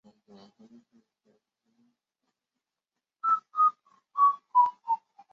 科西齐农村居民点是俄罗斯联邦布良斯克州谢夫斯克区所属的一个农村居民点。